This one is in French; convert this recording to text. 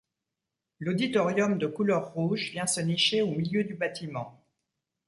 L'auditorium de couleur rouge vient se nicher au milieu du bâtiment.